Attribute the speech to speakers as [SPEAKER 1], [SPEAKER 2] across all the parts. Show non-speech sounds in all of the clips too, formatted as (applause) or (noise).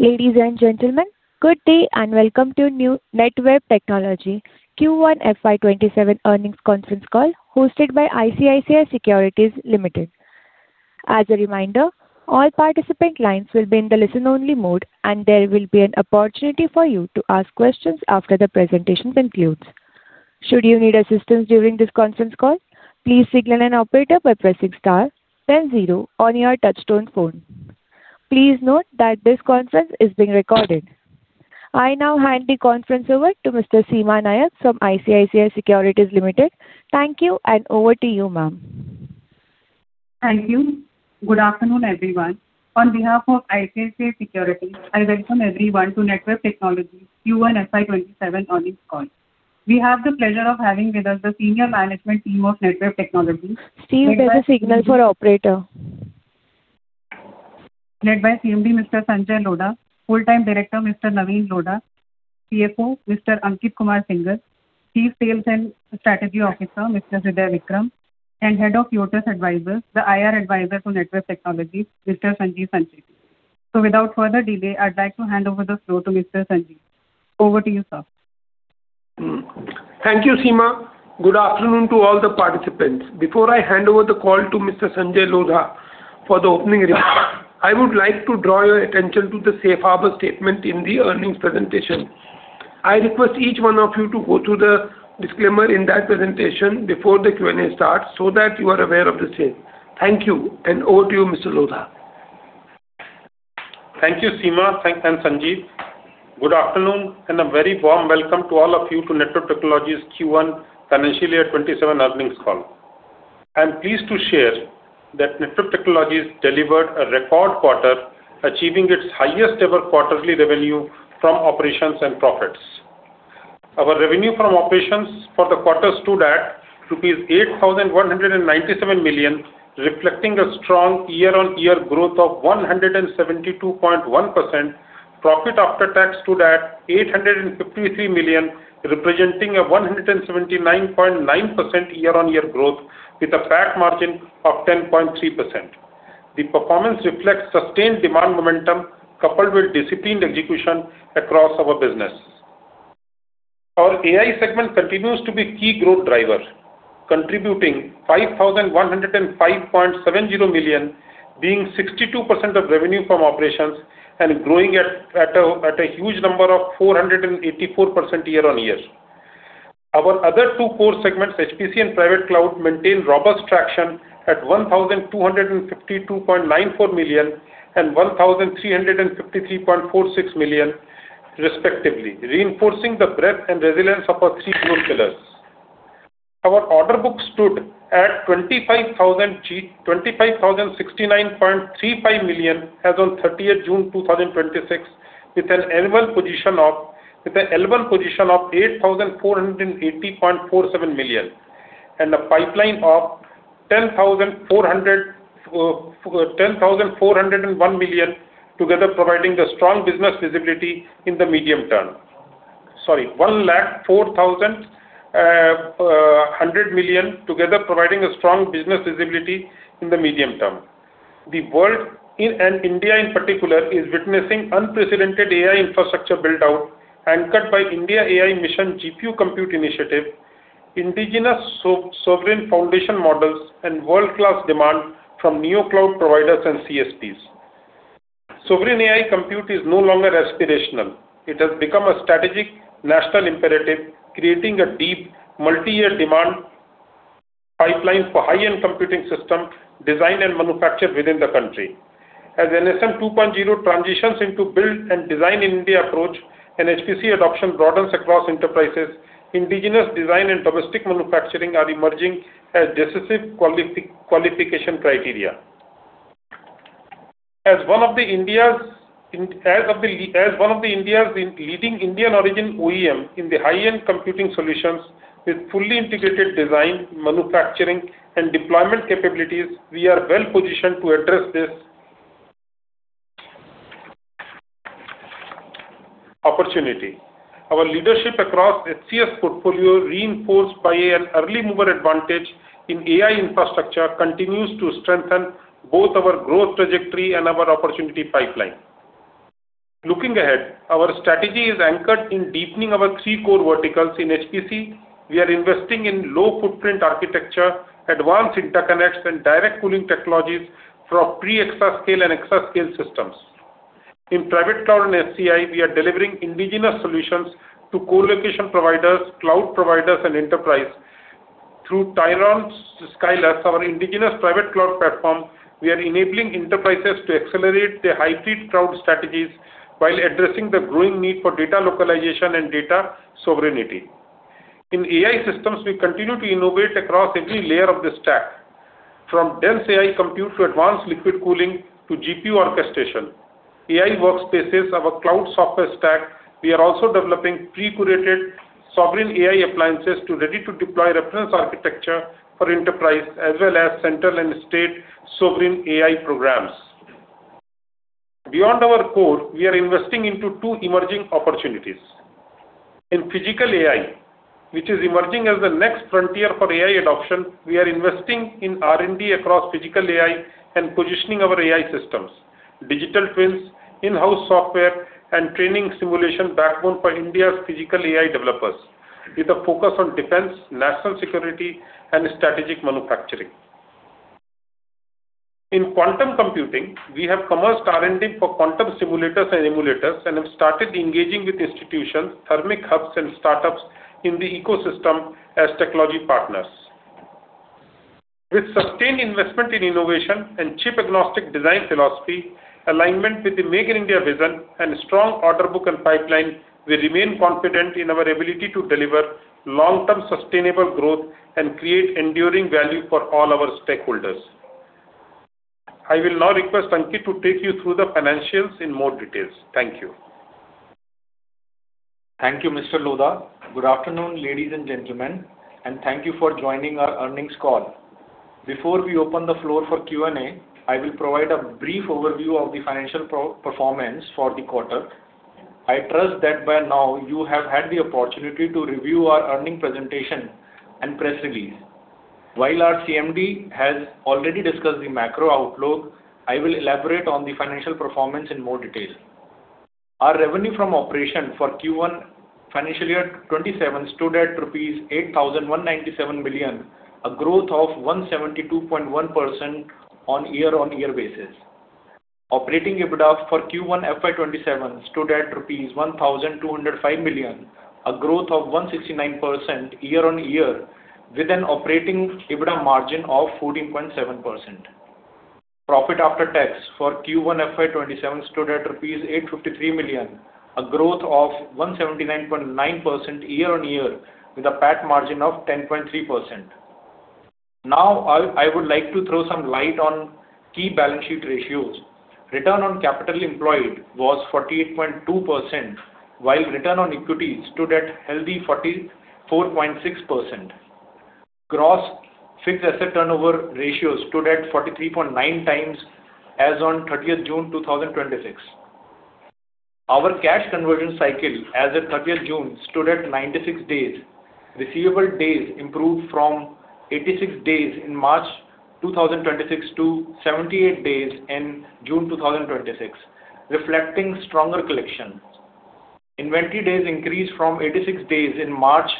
[SPEAKER 1] Ladies and gentlemen, good day and welcome to Netweb Technologies Q1 FY 2027 earnings conference call hosted by ICICI Securities Limited. As a reminder, all participant lines will be in listen-only mode, and there will be an opportunity for you to ask questions after the presentation concludes. Should you need assistance during this conference call, please signal an operator by pressing star then zero on your touch-tone phone. Please note that this conference is being recorded. I now hand the conference over to Seema Nayak from ICICI Securities Limited. Thank you, and over to you, ma'am.
[SPEAKER 2] Thank you. Good afternoon, everyone. On behalf of ICICI Securities, I welcome everyone to Netweb Technologies' Q1 FY 2027 earnings call. We have the pleasure of having with us the senior management team of Netweb Technologies—
[SPEAKER 1] Steve, there's a signal for the operator.
[SPEAKER 2] Led by CMD Mr. Sanjay Lodha, Whole-Time Director Mr. Navin Lodha, CFO Mr. Ankit Kumar Singhal, Chief Sales and Strategy Officer Mr. Hirdey Vikram, and Head of Uirtus Advisors, the IR advisor to Netweb Technologies, Mr. Sanjeev Sancheti. Without further delay, I'd like to hand over the floor to Mr. Sanjeev. Over to you, sir.
[SPEAKER 3] Thank you, Seema. Good afternoon to all the participants. Before I hand over the call to Mr. Sanjay Lodha for the opening remarks, I would like to draw your attention to the safe harbor statement in the earnings presentation. I request each one of you to go through the disclaimer in that presentation before the Q&A starts so that you are aware of the same. Thank you, and over to you, Mr. Lodha.
[SPEAKER 4] Thank you, Seema and Sanjeev. Good afternoon and a very warm welcome to all of you to Netweb Technologies' Q1 financial year 2027 earnings call. I am pleased to share that Netweb Technologies delivered a record quarter, achieving its highest-ever quarterly revenue from operations and profits. Our revenue from operations for the quarter stood at rupees 8,197 million, reflecting a strong year-on-year growth of 172.1%. Profit after tax stood at 853 million, representing a 179.9% year-on-year growth with a PAT margin of 10.3%. The performance reflects sustained demand momentum coupled with disciplined execution across our business. Our AI segment continues to be a key growth driver, contributing 5,105.70 million, being 62% of revenue from operations, and growing at a huge rate of 484% year-on-year. Our other two core segments, HPC and Private Cloud, maintain robust traction at 1,252.94 million and 1,353.46 million, respectively, reinforcing the breadth and resilience of our three growth pillars. Our order book stood at 25,069.35 million as of 30th June 2026, with an L1 position of 8,480.47 million and a pipeline of 10,401 million, together providing strong business visibility in the medium term. Sorry, 104,100 million together provides strong business visibility in the medium term. The world, and India in particular, is witnessing an unprecedented AI infrastructure build-out anchored by the IndiaAI Mission GPU Compute Initiative, indigenous sovereign foundation models, and world-class demand from NeoCloud providers and CSPs. Sovereign AI compute is no longer aspirational. It has become a strategic national imperative, creating a deep multi-year demand pipeline for high-end computing system design and manufacture within the country. As NSM 2.0 transitions into build and design in India, approaches and HPC adoption broaden across enterprises; indigenous design and domestic manufacturing are emerging as decisive qualification criteria. As one of the leading Indian-origin OEMs in high-end computing solutions with fully integrated design, manufacturing, and deployment capabilities, we are well positioned to address this opportunity. Our leadership across the HCS portfolio, reinforced by an early mover advantage in AI infrastructure, continues to strengthen both our growth trajectory and our opportunity pipeline. Looking ahead, our strategy is anchored in deepening our three core verticals in HPC. We are investing in low-footprint architecture, advanced interconnects, and direct cooling technologies for pre-exascale and exascale systems. In private cloud and HCI, we are delivering native solutions to co-location providers, cloud providers, and enterprises. Through Tyrion Skylus, our indigenous private cloud platform, we are enabling enterprises to accelerate their hybrid cloud strategies while addressing the growing need for data localization and data sovereignty. In AI systems we continue to innovate across every layer of the stack. From dense AI compute to advanced liquid cooling to GPU orchestration. AI Workspaces, our cloud software stack, we are also developing pre-curated sovereign AI appliances to ready-to-deploy reference architecture for enterprise as well as central and state sovereign AI programs. Beyond our core, we are investing into two emerging opportunities. In physical AI, which is emerging as the next frontier for AI adoption, we are investing in R&D across physical AI and positioning our AI systems, digital twins, in-house software, and training simulation backbone for India's physical AI developers with a focus on defense, national security, and strategic manufacturing. In quantum computing, we have commenced R&D for quantum simulators and emulators and have started engaging with institutions, academic hubs, and startups in the ecosystem as technology partners. With sustained investment in innovation and chip-agnostic design philosophy, alignment with the Make in India vision, and a strong order book and pipeline, we remain confident in our ability to deliver long-term sustainable growth and create enduring value for all our stakeholders. I will now request Ankit to take you through the financials in more detail. Thank you.
[SPEAKER 5] Thank you, Mr. Lodha. Good afternoon, ladies and gentlemen, and thank you for joining our earnings call. Before we open the floor for Q&A, I will provide a brief overview of the financial performance for the quarter. I trust that by now you have had the opportunity to review our earning presentation and press release. While our CMD has already discussed the macro outlook, I will elaborate on the financial performance in more detail. Our revenue from operations for Q1 FY 2027 stood at rupees 8,197 million, a growth of 172.1% on a year-over-year basis. Operating EBITDA for Q1 FY 2027 stood at rupees 1,205 million, a growth of 169% year-over-year with an operating EBITDA margin of 14.7%. Profit after tax for Q1 FY 2027 stood at 853 million rupees, a growth of 179.9% year-over-year with a PAT margin of 10.3%. Now, I would like to throw some light on key balance sheet ratios. Return on capital employed was 48.2%, while return on equity stood at a healthy 44.6%. The gross fixed asset turnover ratio stood at 43.9x as of June 30, 2026. Our cash conversion cycle as of June 30 stood at 96 days. Receivable days improved from 86 days in March 2026 to 78 days in June 2026, reflecting stronger collection. Inventory days increased from 86 days in March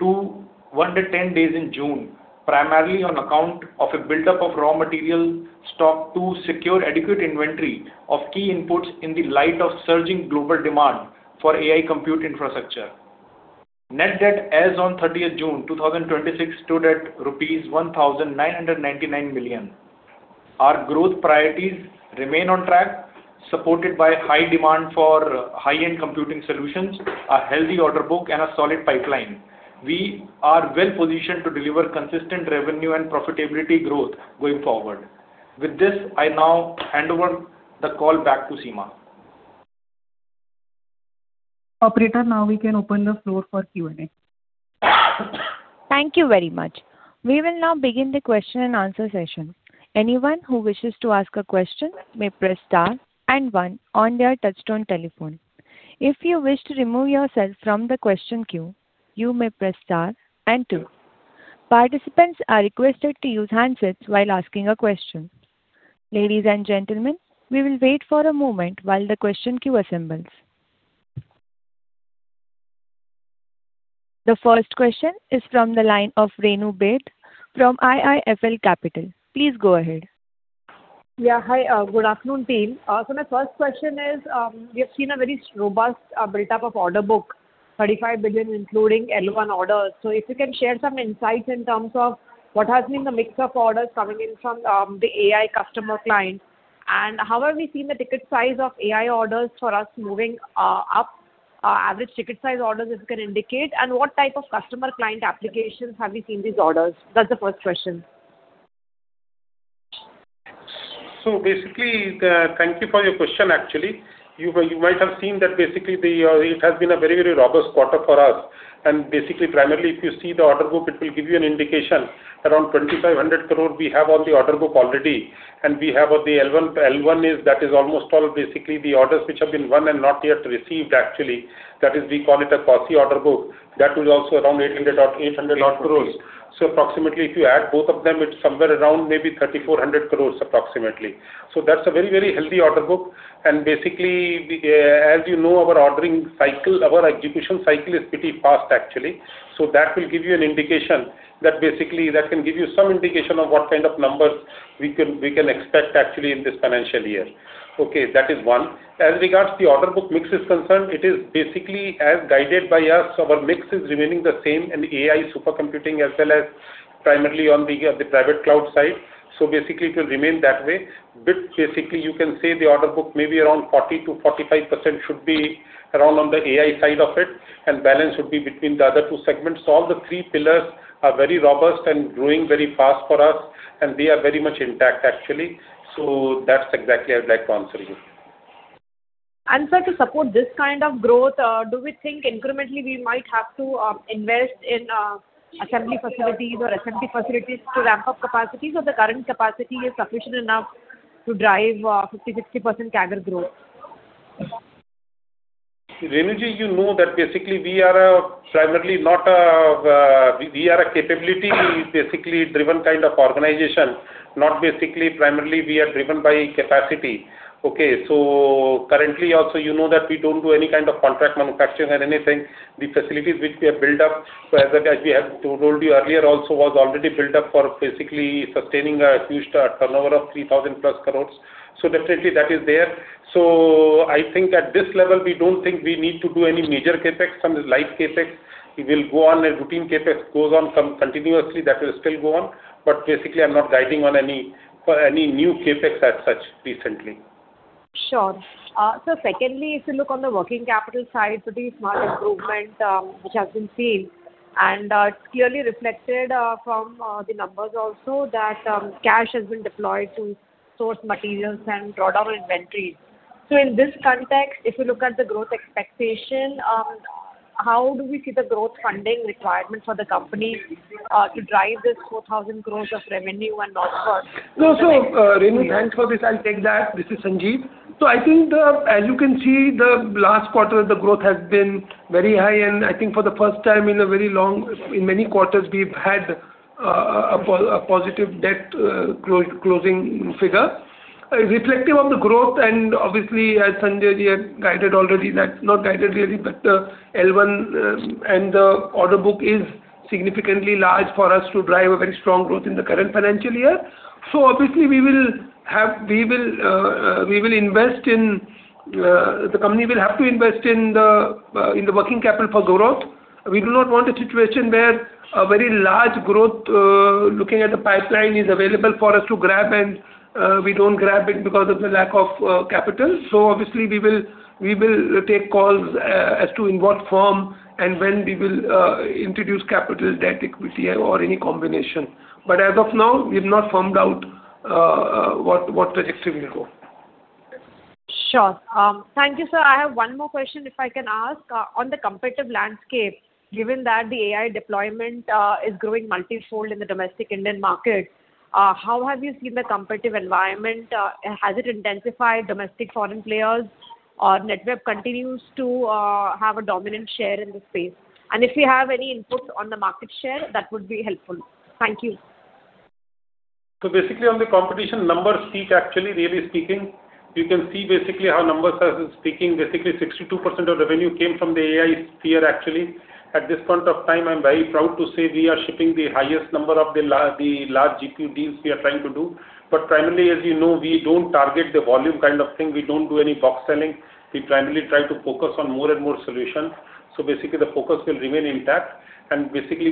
[SPEAKER 5] to 110 days in June, primarily on account of a buildup of raw material stock to secure adequate inventory of key inputs in light of surging global demand for AI compute infrastructure. Net debt as of June 30, 2026, stood at rupees 1,999 million. Our growth priorities remain on track, supported by high demand for high-end computing solutions, a healthy order book, and a solid pipeline. We are well-positioned to deliver consistent revenue and profitability growth going forward. With this, I now hand over the call back to Seema.
[SPEAKER 2] Operator, we can open the floor for Q&A.
[SPEAKER 1] Thank you very much. We will now begin the question-and-answer session. Anyone who wishes to ask a question may press star and one on their touch-tone telephone. If you wish to remove yourself from the question queue, you may press star and two. Participants are requested to use handsets while asking a question. Ladies and gentlemen, we will wait for a moment while the question queue assembles. The first question is from the line of Renu Baid from IIFL Capital. Please go ahead.
[SPEAKER 6] Yeah. Hi. Good afternoon, team. My first question is, have we seen a very robust buildup of order book, 35 billion, including L1 orders? If you can share some insights in terms of what has been the mix of orders coming in from the AI customer clients and how have we seen the ticket size of AI orders for us moving up, average ticket size orders, if you can indicate, and what type of customer client applications have we seen these orders? That's the first question.
[SPEAKER 4] Thank you for your question. You might have seen it has been a very robust quarter for us. If you see the order book, it will give you an indication. Around 2,500 crores we have on the order book already, and we have the L1. L1, that is almost all the orders which have been won and not yet received. That is, we call it a quasi-order book. That was also around 800 odd crores. If you add both of them, it is somewhere around maybe 3,400 crore approximately. That is a very healthy order book. As you know, our ordering cycle, our execution cycle, is pretty fast. That will give you some indication of what kind of numbers we can expect in this financial year. That is one. As far as the order book mix is concerned, it is as guided by us. Our mix is remaining the same in AI supercomputing as well as primarily on the private cloud side. It will remain that way. You can say the order book may be around 40%-45% should be around on the AI side of it, and the balance would be between the other two segments. All the three pillars are very robust and growing very fast for us, and they are very much intact. That is exactly how I would like to answer you.
[SPEAKER 6] Sir, to support this kind of growth, do we think incrementally we might have to invest in assembly facilities or SMT facilities to ramp up capacities? Or is the current capacity sufficient enough to drive 50%-60% CAGR growth?
[SPEAKER 4] Renu, you know we are a capability-driven kind of organization; primarily we are driven by capacity. Currently also, you know, we don't do any kind of contract manufacturing or anything. The facilities that we have built up, as we have told you earlier also, were already built up for sustaining a huge turnover of +3,000 crores. Definitely that is there. I think at this level, we don't think we need to do any major CapEx. Some light CapEx will go on, and routine CapEx goes on continuously. That will still go on. I have not guided on any new CapEx as such recently.
[SPEAKER 6] Sure. Sir, secondly, if you look on the working capital side, there's a pretty smart improvement, which has been seen, and it's clearly reflected from the numbers also that cash has been deployed to source materials and draw down inventory. In this context, if you look at the growth expectation, how do we see the growth funding requirement for the company to drive this 4,000 crore of revenue and also—
[SPEAKER 3] No, Renu, thanks for this. I'll take that. This is Sanjeev. I think, as you can see, in the last quarter, the growth has been very high, and I think for the first time in many quarters, we've had a positive debt closing figure. Reflecting on the growth, and obviously, as Sanjay had guided already—not guided really, but L1 and the order book are significantly large for us to drive very strong growth in the current financial year. Obviously, the company will have to invest in the working capital for growth. We do not want a situation where a very large growth, looking at the pipeline, is available for us to grab, and we don't grab it because of the lack of capital. Obviously, we will take calls as to in what form and when we will introduce capital, debt, equity, or any combination. As of now, we've not firmed out what trajectory we'll go.
[SPEAKER 6] Sure. Thank you, sir. I have one more question, if I may ask. On the competitive landscape, given that the AI deployment is growing multifold in the domestic Indian market, how have you seen the competitive environment? Has it intensified domestic and foreign players, or does Netweb continue to have a dominant share in this space? If you have any input on the market share, that would be helpful. Thank you.
[SPEAKER 4] In the competition, numbers actually speak, really speaking. You can see how numbers are speaking. 62% of revenue came from the AI sphere actually. At this point in time, I am very proud to say we are shipping the highest number of the large GPU deals we are trying to do. Primarily, as you know, we don't target the volume kind of thing. We don't do any box selling. We primarily try to focus on more and more solutions. The focus will remain intact. Because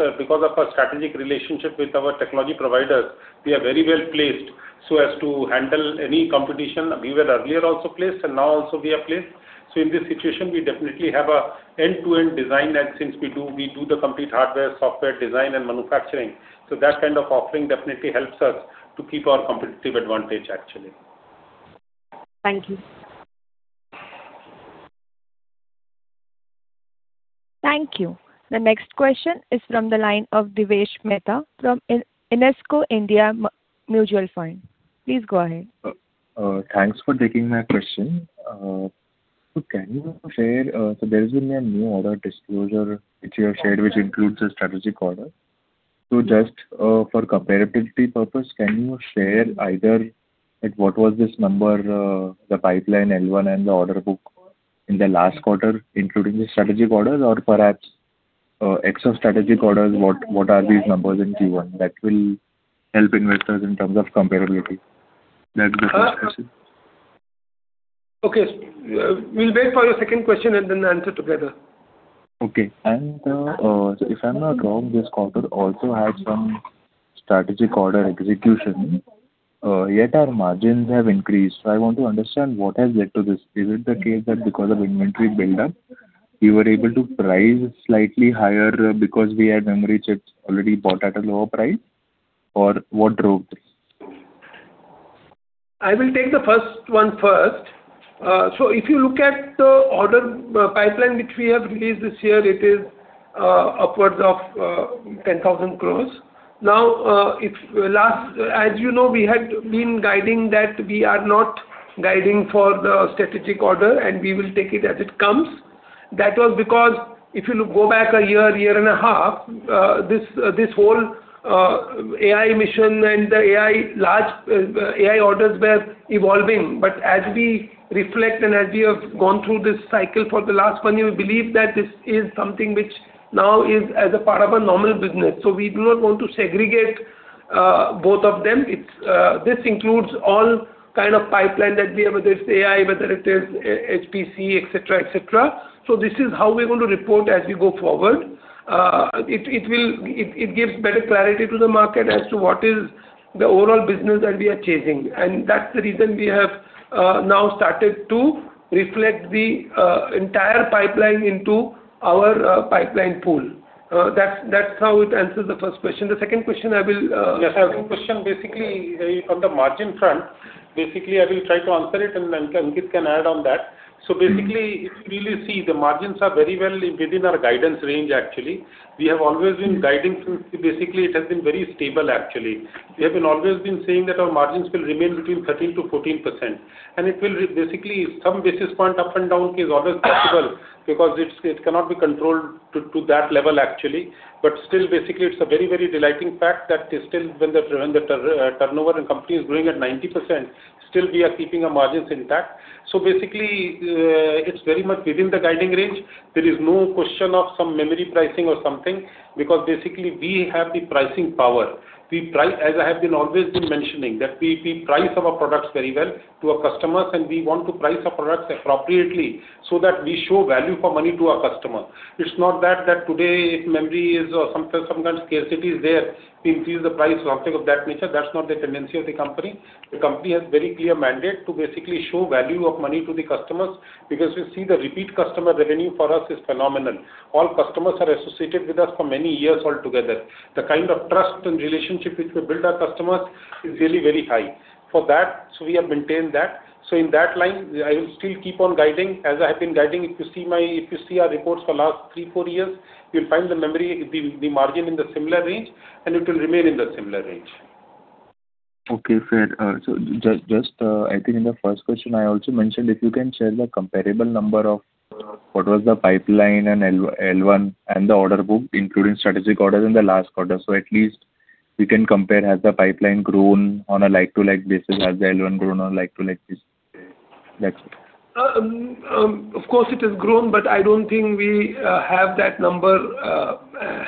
[SPEAKER 4] of our strategic relationship with our technology providers, we are very well placed so as to handle any competition. We were placed earlier, and now also we are placed. In this situation, we definitely have an end-to-end design. Since we do the complete hardware, software design, and manufacturing, that kind of offering definitely helps us to keep our competitive advantage, actually.
[SPEAKER 6] Thank you.
[SPEAKER 1] Thank you. The next question is from the line of Divyesh Mehta from Invesco India Mutual Fund. Please go ahead.
[SPEAKER 7] Thanks for taking my question. There has been a new order disclosure that you have shared, which includes the strategic order. Just for comparability purposes, can you share what this number, the pipeline, L1, and the order book were in the last quarter, including the strategic orders? Perhaps ex of strategic orders, what are these numbers in Q1 that will help investors in terms of comparability? That'll be the first question.
[SPEAKER 4] Okay. We'll wait for your second question and answer together.
[SPEAKER 7] Okay. If I'm not wrong, this quarter also has some strategic order execution, yet our margins have increased. I want to understand what has led to this. Is it the case that because of inventory buildup, you were able to price slightly higher because we had memory chips already bought at a lower price? What drove this?
[SPEAKER 4] I will take the first one first. If you look at the order pipeline, which we have released this year, it is upwards of 10,000 crore. As you know, we had been guiding that we are not guiding for the strategic order; we will take it as it comes. That was because if you go back a year and a half, this whole AI mission and the large AI orders were evolving. As we reflect and as we have gone through this cycle for the last year, we believe that this is something that now is a part of a normal business. We do not want to segregate both of them. This includes all kinds of pipelines that we have, whether they're AI, HPC, etc. This is how we're going to report as we go forward. It gives better clarity to the market as to what is the overall business that we are chasing. That's the reason we have now started to reflect the entire pipeline into our pipeline pool. That's how it answers the first question. Yes, the second question is basically from the margin front. I will try to answer it, and then Ankit can add to that. If you really see, the margins are very well within our guidance range, actually. We have always been guiding. It has been very stable actually. We have always been saying that our margins will remain between 13% and 14%, and they will basically be some basis points up and down, which is always possible because they cannot be controlled to that level actually. Still, basically, it's a very delightful fact that, even when the turnover and company are growing at 90%, we are still keeping our margins intact. It's very much within the guiding range. There is no question of some memory pricing or something, because basically we have the pricing power. As I have always been mentioning, we price our products very well for our customers, and we want to price our products appropriately so that we show value for money to our customers. It's not that today, if memory serves or sometimes scarcity is there, we increase the price or something of that nature. That's not the tendency of the company. The company has a very clear mandate to basically show the value of money to the customers because we see the repeat customer revenue for us is phenomenal. All customers have been associated with us for many years altogether. The kind of trust and relationship that we build with our customers is really very high. We have maintained that. In that line, I will still keep on guiding, as I have been guiding. If you see our reports for the last three, four years, you'll find the margin in the similar range, and it will remain in the similar range.
[SPEAKER 7] Okay, fair. Just I think in the first question I also mentioned if you can share the comparable number of what was the pipeline and L1 and the order book were, including strategic orders in the last quarter. At least we can compare, has the pipeline grown on a like-to-like basis? Has the L1 grown on a like-to-like basis? That's it.
[SPEAKER 4] Of course, it has grown; I don't think we have that number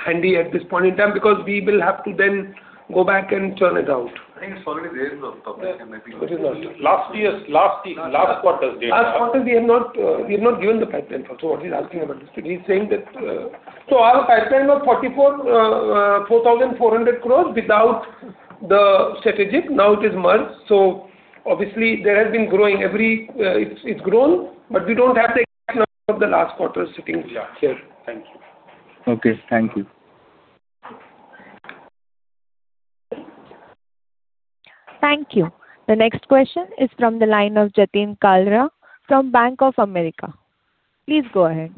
[SPEAKER 4] handy at this point in time, because we will have to then go back and churn it out. (crosstalk) Last quarter we have not given the pipeline. What he's asking about, he's saying that our pipeline of 4,400 crore is without the strategic; now it is merged. Obviously it's grown, but we don't have the exact number of the last quarter sitting with us.
[SPEAKER 7] Yeah. Thank you. Okay. Thank you.
[SPEAKER 1] Thank you. The next question is from the line of Jatin Kalra from Bank of America. Please go ahead.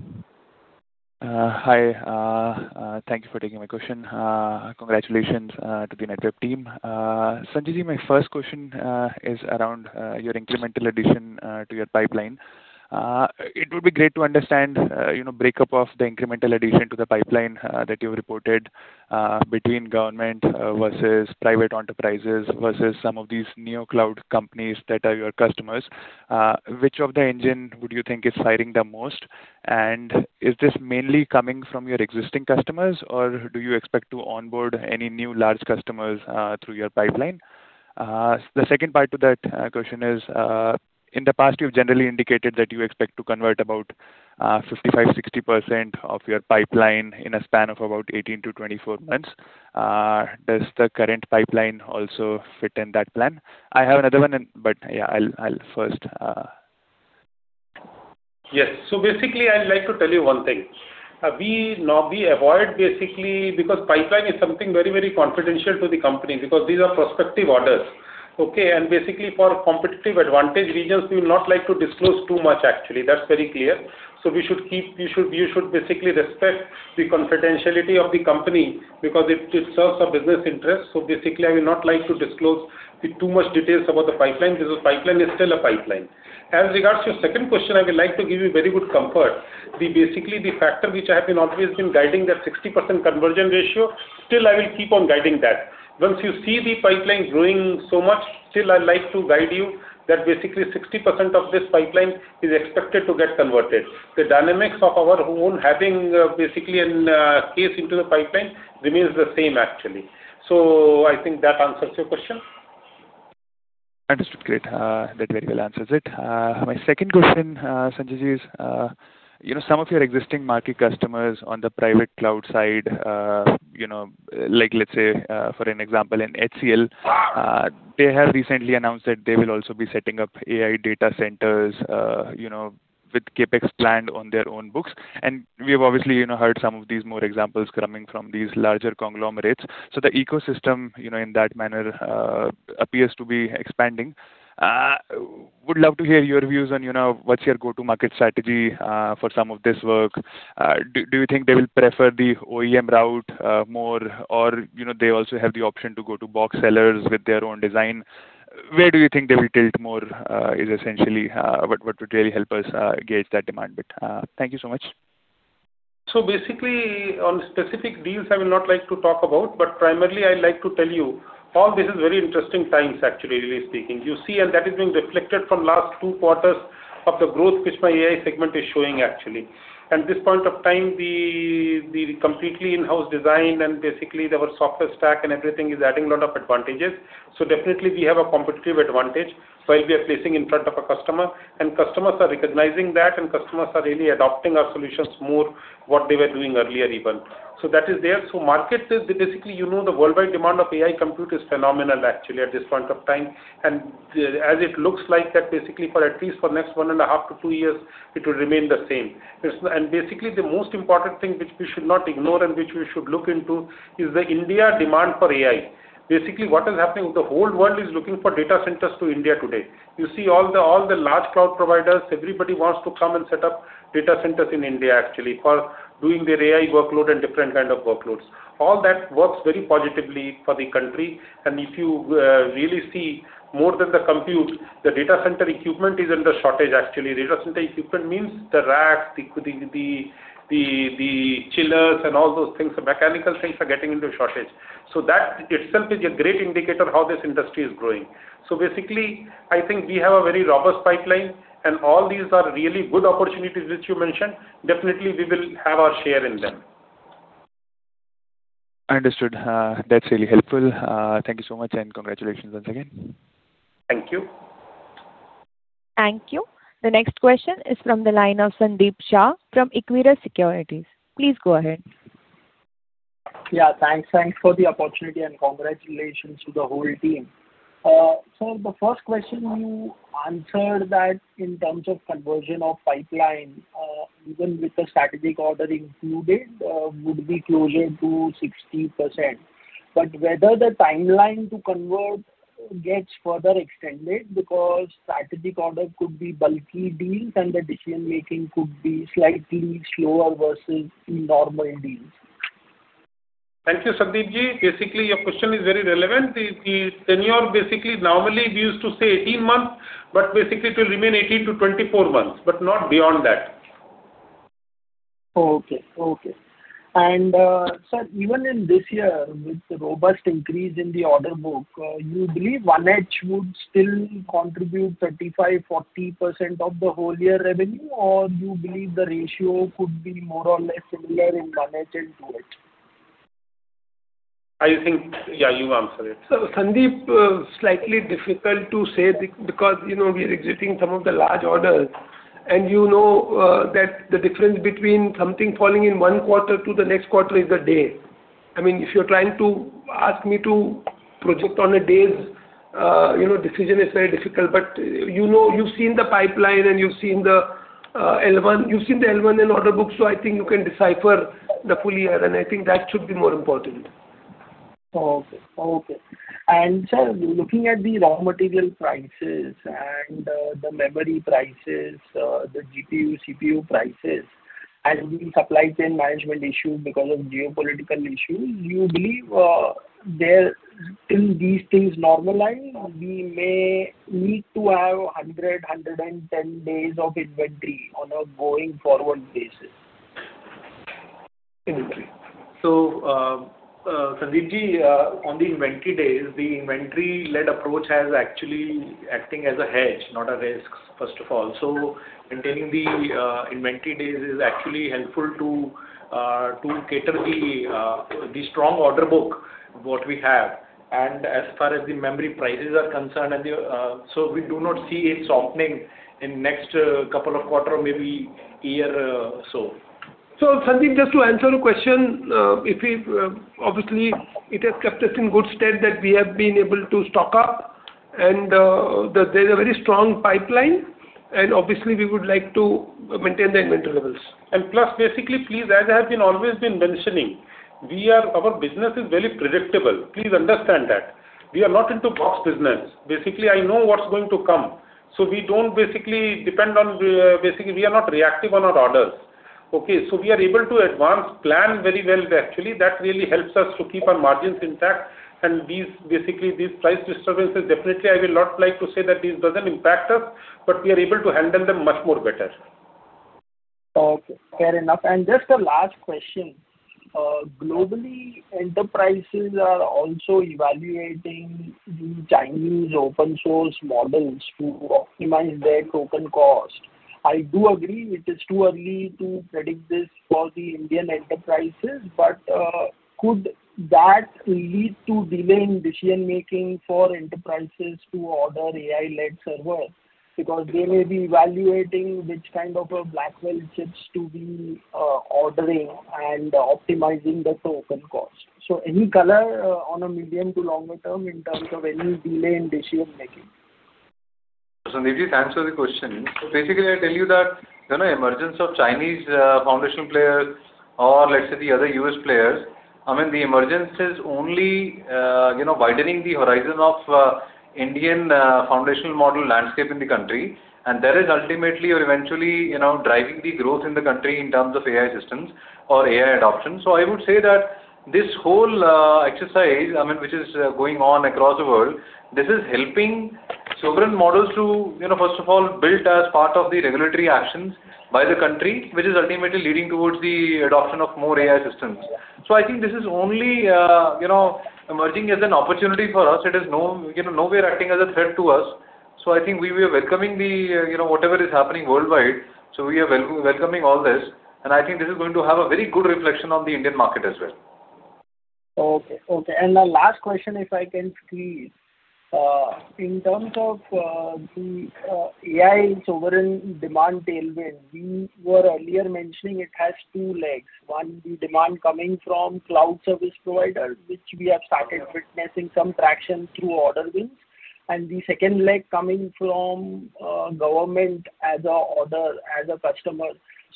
[SPEAKER 8] Hi. Thank you for taking my question. Congratulations to the Netweb team. Sanjeev, my first question is around your incremental addition to your pipeline. It would be great to understand the breakup of the incremental addition to the pipeline that you've reported between government versus private enterprises versus some of these neo-cloud companies that are your customers. Which of the engines would you think is firing the most? Is this mainly coming from your existing customers, or do you expect to onboard any new large customers through your pipeline? The second part to that question is, in the past, you've generally indicated that you expect to convert about 55%-60% of your pipeline in a span of about 18-24 months. Does the current pipeline also fit in that plan? I have another one, but I'll first
[SPEAKER 4] Yes. Basically, I'd like to tell you one thing. Because a pipeline is something very confidential to the company, because these are prospective orders, okay? Basically, for competitive advantage reasons, we would not like to disclose too much, actually. That's very clear. You should basically respect the confidentiality of the company because it serves our business interest. Basically, I would not like to disclose too many details about the pipeline because the pipeline is still a pipeline. As regards your second question, I would like to give you very good comfort. Basically, the factor that I have always been guiding, that 60% conversion ratio, I will still keep on guiding. Once you see the pipeline growing so much, still, I'd like to guide you that basically 60% of this pipeline is expected to get converted. The dynamics of our own basically having a case into the pipeline remain the same, actually. I think that answers your question.
[SPEAKER 8] Understood. Great. That very well answers it. My second question, Sanjay, is some of your existing market customers on the private cloud side, like, let's say, for an example, HCL, who have recently announced that they will also be setting up AI data centers with CapEx planned on their own books? We've obviously heard some more examples coming from these larger conglomerates. The ecosystem, in that manner, appears to be expanding. Would love to hear your views on what's your go-to market strategy for some of this work. Do you think they will prefer the OEM route more, or do they also have the option to go to box sellers with their own design? Where do you think they will tilt more is essentially what would really help us gauge that demand bit. Thank you so much.
[SPEAKER 4] Basically, on specific deals, I would not like to talk about them, but primarily I'd like to tell you all this is very interesting times, actually, really speaking. That is being reflected from the last two quarters of growth, which my AI segment is showing actually. At this point in time, the completely in-house design and basically our software stack and everything are adding a lot of advantages. Definitely, we have a competitive advantage while we are placing in front of a customer, and customers are recognizing that, and customers are really adopting our solutions more than what they were doing earlier even. Markets are basically, you know, the worldwide demand for AI compute is phenomenal, actually, at this point in time. As it looks like that, basically for at least the next one and a half to two years, it will remain the same. Basically, the most important thing that we should not ignore and that we should look into is the Indian demand for AI. What is happening? The whole world is looking for data centers in India today. All the large cloud providers, everybody wants to come and set up data centers in India, actually, for doing their AI workloads and different kinds of workloads. All that works very positively for the country. If you really see more than the compute, the data center equipment is actually under a shortage. Data center equipment, meaning the racks, the chillers, and all those things, the mechanical things, is getting into a shortage. That itself is a great indicator of how this industry is growing. Basically, I think we have a very robust pipeline, and all these are really good opportunities, which you mentioned. Definitely, we will have our share in them.
[SPEAKER 8] Understood. That's really helpful. Thank you so much, and congratulations once again.
[SPEAKER 4] Thank you.
[SPEAKER 1] Thank you. The next question is from the line of Sandeep Shah from Equirus Securities. Please go ahead.
[SPEAKER 9] Yeah. Thanks for the opportunity and congratulations to the whole team. Sir, the first question you answered was that in terms of conversion of pipeline, even with the strategic order included, it would be closer to 60%. Whether the timeline to convert gets further extended because strategic orders could be bulky deals and the decision-making could be slightly slower versus normal deals.
[SPEAKER 4] Thank you, Sandeep. Basically, your question is very relevant. The tenure, basically, normally we used to say 18 months, but basically it will remain 18 to 24 months, but not beyond that.
[SPEAKER 9] Sir, even in this year with a robust increase in the order book, you believe H1 would still contribute 35%-40% of the whole year's revenue, or you believe the ratio could be more or less similar in H1 and H2?
[SPEAKER 4] I think, yeah, you answer it.
[SPEAKER 3] Sandeep, it's slightly difficult to say because we are exiting some of the large orders, you know that the difference between something falling in one quarter and the next quarter is a day. If you're trying to ask me to project on a day's decision, it's very difficult. You've seen the pipeline, and you've seen the L1 and order book; I think you can decipher the full year, and I think that should be more important.
[SPEAKER 9] Sir, looking at the raw material prices and the memory prices, the GPU and CPU prices, and the supply chain management issue because of geopolitical issues, do you believe that till these things normalize, we may need to have 100-110 days of inventory on a going-forward basis?
[SPEAKER 4] Inventory.
[SPEAKER 10] Sandeep, on the inventory days, the inventory-led approach has actually been acting as a hedge, not a risk, first of all. Maintaining the inventory days is actually helpful to cater to the strong order book that we have. As far as the memory prices are concerned, we do not see them softening in the next couple of quarters, or maybe year or so.
[SPEAKER 3] Sandeep, just to answer the question, obviously it has kept us in good stead that we have been able to stock up and that there's a very strong pipeline, and obviously we would like to maintain the inventory levels.
[SPEAKER 4] Plus, basically, please, as I have always been mentioning, our business is very predictable. Please understand that. We are not into the box business. Basically, I know what's going to come. We are not reactive to our orders. Okay. We are able to advance-plan very well, actually. That really helps us to keep our margins intact. Basically, with these price disturbances, definitely I would not like to say that this doesn't impact us, but we are able to handle them much better.
[SPEAKER 9] Okay. Fair enough. Just a last question. Globally, enterprises are also evaluating the Chinese open-source models to optimize their token cost. I do agree it is too early to predict this for the Indian enterprises, but could that lead to a delay in decision-making for enterprises to order AI-led servers? Because they may be evaluating which kind of Blackwell chips to be ordering and optimizing the token cost. Any color on a medium- to longer term in terms of any delay in decision-making?
[SPEAKER 10] Sandeep, to answer the question. Basically, I tell you that the emergence of Chinese foundational players, or let's say the other U.S. players, the emergence is only widening the horizon of the Indian foundational model landscape in the country. That is ultimately or eventually driving the growth in the country in terms of AI systems or AI adoption. I would say that this whole exercise, which is going on across the world, is helping sovereign models to, first of all, build as part of the regulatory actions by the country, which is ultimately leading towards the adoption of more AI systems. I think this is only emerging as an opportunity for us. It is nowhere acting as a threat to us. I think we are welcoming whatever is happening worldwide. We are welcoming all this, I think this is going to have a very good reflection on the Indian market as well.
[SPEAKER 9] Okay. The last question, if I can, please. In terms of the AI sovereign demand tailwind, you were earlier mentioning it has two legs. First, the demand is coming from cloud service providers, through which we have started witnessing some traction through order wins. The second leg is coming from the government as a customer.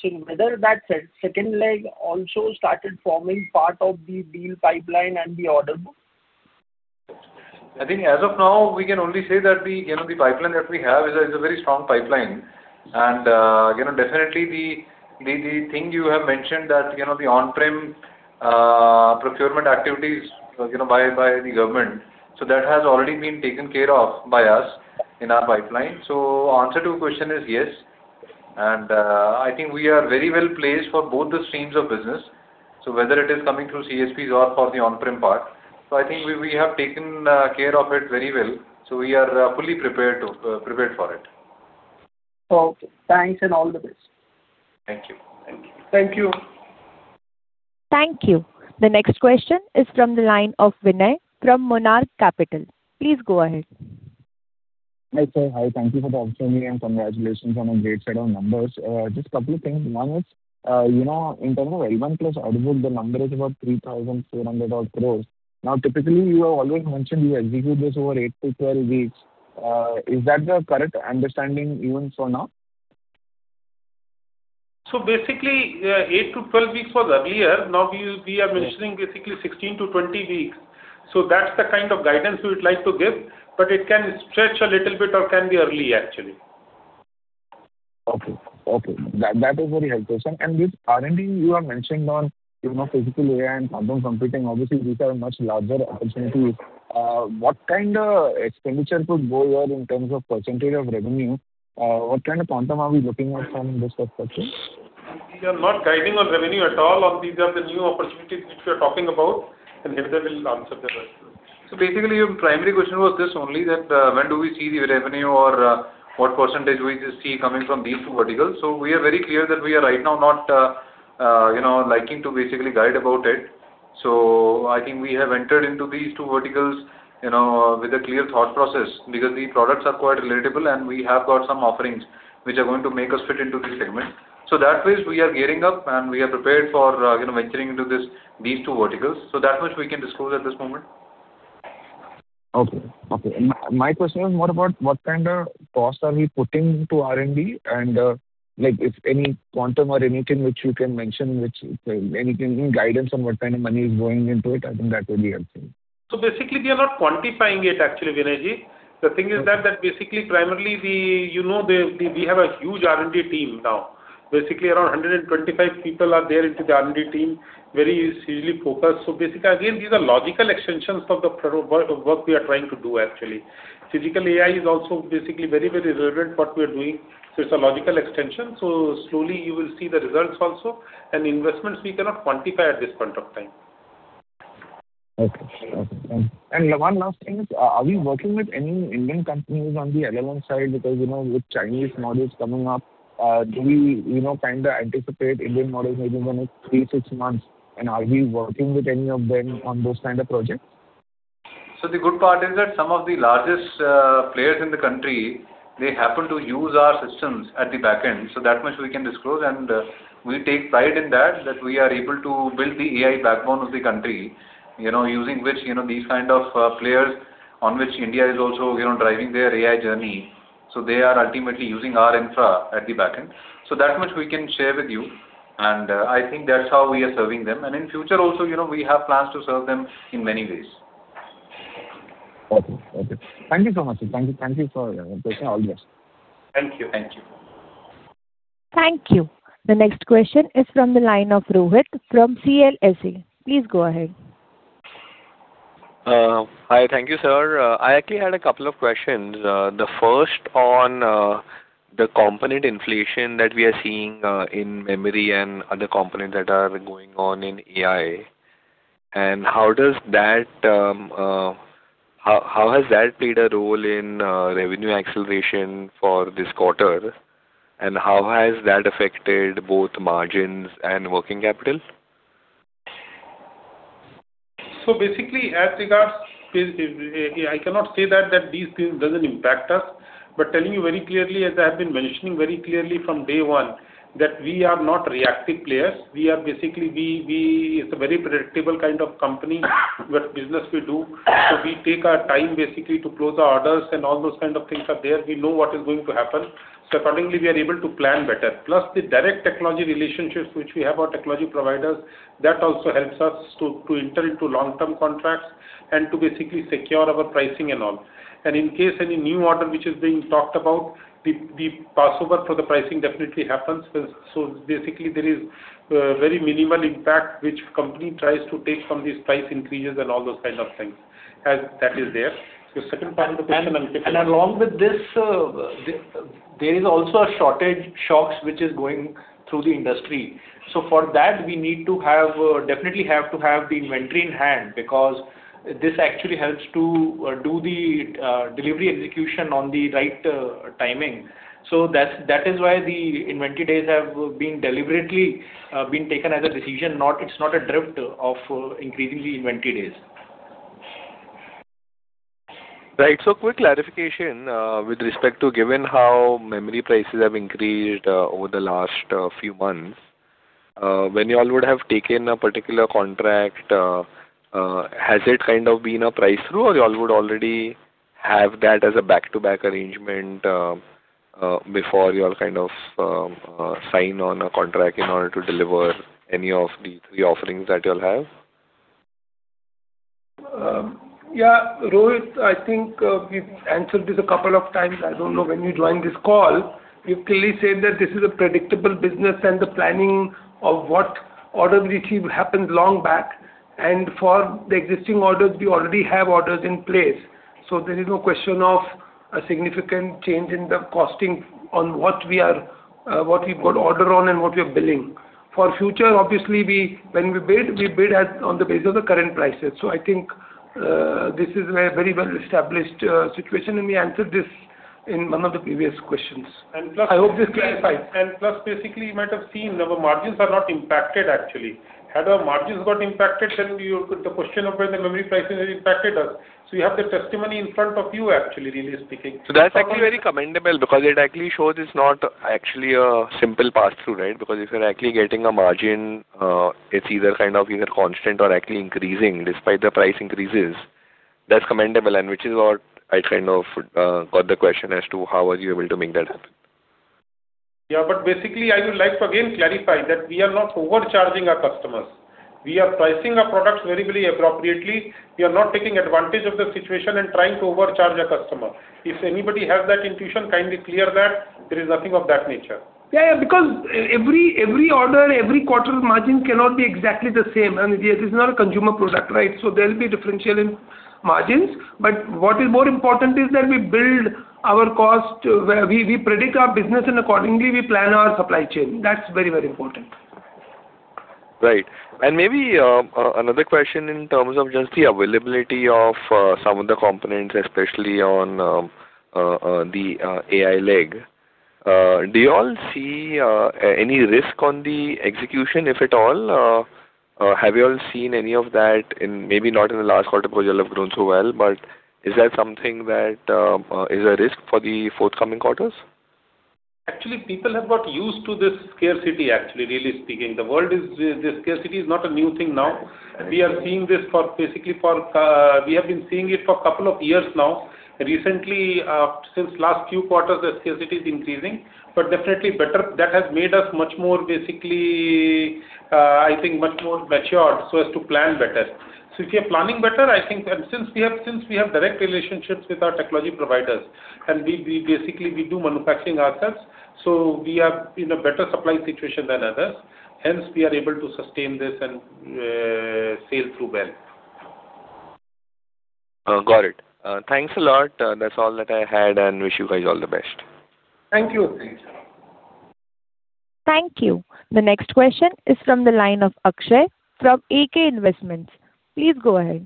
[SPEAKER 9] Whether that second leg also started forming part of the deal pipeline and the order book?
[SPEAKER 10] I think as of now, we can only say that the pipeline that we have is a very strong pipeline. Definitely the thing you have mentioned, the on-prem procurement activities by the government. That has already been taken care of by us in our pipeline. The answer to your question is yes, and I think we are very well placed for both streams of business. Whether it is coming through CSPs or for the on-prem part. I think we have taken care of it very well. We are fully prepared for it.
[SPEAKER 9] Okay. Thanks and all the best.
[SPEAKER 10] Thank you.
[SPEAKER 4] Thank you.
[SPEAKER 1] Thank you. The next question is from the line of Vinay from Monarch Capital. Please go ahead.
[SPEAKER 11] Hi, sir. Hi, thank you for the opportunity and congratulations on a great set of numbers. Just a couple of things. One was, in terms of L1 plus order book, the number is about 3,400-odd crores. Typically, you have always mentioned you execute this over eight-12 weeks. Is that the correct understanding even for now?
[SPEAKER 4] Basically, eight-12 weeks was earlier. We are mentioning basically 16-20 weeks. That's the kind of guidance we would like to give, but it can stretch a little bit or can be early, actually.
[SPEAKER 11] Okay. That is very helpful, sir. This R&D you are mentioning on physical AI and quantum computing—obviously these are much larger opportunities. What kind of expenditure could go here in terms of percentage of revenue? What kind of quantum are we looking at from this perspective?
[SPEAKER 4] We are not guiding on revenue at all; these are the new opportunities that we are talking about. Vikram will answer that as well.
[SPEAKER 10] Basically, your primary question was only this: When do we see the revenue, or what percentage do we just see coming from these two verticals? We are very clear that we are right now not liking to basically guide the conversation about it. I think we have entered into these two verticals with a clear thought process because the products are quite relatable, and we have got some offerings that are going to make us fit into this segment. That way we are gearing up and we are prepared for venturing into these two verticals. That much we can disclose at this moment.
[SPEAKER 11] Okay. My question was more about what kind of cost we are putting to R&D and if there is any quantum or anything that you can mention, anything, guidance on what kind of money is going into it; I think that would be helpful.
[SPEAKER 4] Basically, we are not quantifying it actually, Vinay. The thing is that, basically, primarily we have a huge R&D team now. Basically, around 125 people are there into the R&D team, very seriously focused. Basically, again, these are logical extensions of the work we are trying to do actually. Physical AI is also basically very relevant to what we are doing. It's a logical extension. Slowly you will see the results also. Investments, we cannot quantify at this point of time.
[SPEAKER 11] Okay. One last thing is, are we working with any Indian companies on the L1 side? Because with Chinese models coming up, do we kind of anticipate Indian models maybe in the next three, six months? Are we working with any of them on those kind of projects?
[SPEAKER 10] The good part is that some of the largest players in the country happen to use our systems at the backend. That much we can disclose, and we take pride in that we are able to build the AI backbone of the country, using which these kind of players on which India is also driving their AI journey. They are ultimately using our infra at the backend. That much we can share with you, and I think that's how we are serving them. In the future also, we have plans to serve them in many ways.
[SPEAKER 11] Okay. Thank you so much, sir. Thank you for your input. All the best.
[SPEAKER 4] Thank you.
[SPEAKER 10] Thank you.
[SPEAKER 1] Thank you. The next question is from the line of Rohit from CLSA. Please go ahead.
[SPEAKER 12] Hi. Thank you, sir. I actually had a couple of questions. The first component inflation that we are seeing is in memory and other components that are going on in AI. How has that played a role in revenue acceleration for this quarter, and how has that affected both margins and working capital?
[SPEAKER 4] Basically, as regards this, I cannot say that this doesn't impact us, but telling you very clearly, as I have been mentioning very clearly from day one, that we are not reactive players. It's a very predictable kind of company, what business we do. We take our time basically to close our orders, and all those kind of things are there. We know what is going to happen. Accordingly, we are able to plan better. Plus, the direct technology relationships that we have with our technology providers also help us to enter into long-term contracts and to basically secure our pricing and all. In case there is any new order that is being talked about, the Passover for the pricing definitely happens. Basically, there is very minimal impact that the company tries to take from these price increases and all those kind of things. As that is there. Second part of the question?
[SPEAKER 10] Along with this, there is also a shortage of shocks that is going through the industry. For that, we definitely need to have the inventory in hand because this actually helps to do the delivery execution at the right timing. That is why the inventory days have been deliberately taken as a decision. It's not a drift of increasing inventory days.
[SPEAKER 12] Right. Quick clarification with respect to how memory prices have increased over the last few months. When you all would have taken a particular contract, has it kind of been a price-through, or would you all already have that as a back-to-back arrangement before you all sign on a contract in order to deliver any of the three offerings that you all have?
[SPEAKER 4] Yeah, Rohit, I think we've answered this a couple of times. I don't know when you joined this call. We've clearly said that this is a predictable business; the planning of what order we achieve happened long back. For the existing orders, we already have orders in place. There is no question of a significant change in the costing on what we've got ordered on and what we are billing. For the future, obviously, when we bid, we bid on the basis of the current prices. I think this is a very well-established situation, and we answered this in one of the previous questions. I hope this clarifies.
[SPEAKER 13] Plus, basically, you might have seen our margins are not impacted, actually. Had our margins gotten impacted, then the question of whether the memory prices have impacted us. You have the testimony in front of you, actually, really speaking.
[SPEAKER 12] That's actually very commendable because it actually shows it's not actually a simple pass-through, right? If you're actually getting a margin, it's either kind of constant or actually increasing despite the price increases. That's commendable, which is what I kind of got the question as to how you are able to make that happen.
[SPEAKER 4] Basically, I would like to again clarify that we are not overcharging our customers. We are pricing our products very appropriately. We are not taking advantage of the situation and trying to overcharge a customer. If anybody has that intuition, kindly clarify that. There is nothing of that nature.
[SPEAKER 13] Every order, every quarter's margin cannot be exactly the same. It is not a consumer product, right? There'll be a differential in margins, but what is more important is that we build our cost, we predict our business, and, accordingly, we plan our supply chain. That's very important.
[SPEAKER 12] Right. Maybe another question in terms of just the availability of some of the components, especially on the AI leg. Do you all see any risk on the execution, if at all? Have you all seen any of that in maybe not in the last quarter because you all have grown so well, but is that something that is a risk for the forthcoming quarters?
[SPEAKER 4] Actually, people have got used to this scarcity, actually, really speaking. The scarcity is not a new thing now.
[SPEAKER 12] Right.
[SPEAKER 4] We have been seeing it for a couple of years now. Recently, since the last few quarters, the scarcity has been increasing; it's definitely better. That has made us much more, basically, I think, much more mature so as to plan better. If you're planning better, I think, since we have direct relationships with our technology providers and basically we do manufacturing ourselves, we are in a better supply situation than others. Hence, we are able to sustain this and sail through well.
[SPEAKER 12] Got it. Thanks a lot. That's all that I had. Wish you guys all the best.
[SPEAKER 4] Thank you. Thanks, sir.
[SPEAKER 1] Thank you. The next question is from the line of Akshay from EK Investments. Please go ahead.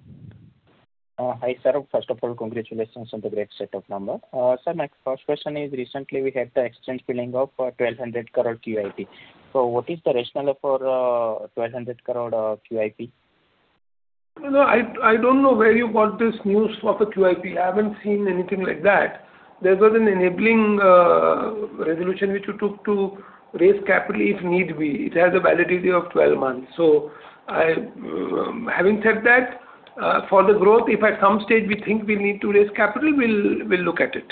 [SPEAKER 14] Hi, sir. First of all, congratulations on the great set of numbers. Sir, my first question is, recently we had the exchange filing of 1,200 crore QIP. What is the rationale for 1,200 crore QIP?
[SPEAKER 4] No, I don't know where you got this news of a QIP. I haven't seen anything like that. There was an enabling resolution which we took to raise capital if need be. It has a validity of 12 months. Having said that, for the growth, if at some stage we think we'll need to raise capital, we'll look at it.